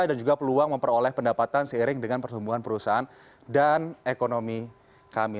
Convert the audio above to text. dan juga peluang memperoleh pendapatan seiring dengan pertumbuhan perusahaan dan ekonomi kami